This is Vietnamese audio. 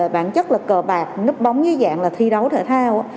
bản chất là cờ bạc nấp bóng với dạng là thi đấu thể thao